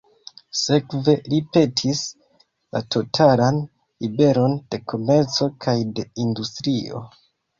Sekve, li petis la totalan liberon de komerco kaj de industrio.